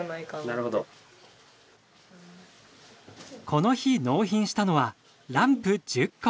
この日納品したのはランプ１０個。